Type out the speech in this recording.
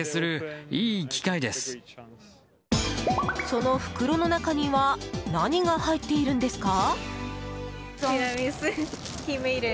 その袋の中には何が入っているんですか？